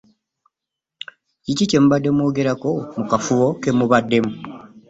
Kiki kye mubadde mwogerako mu kafubo ke mubaddemu.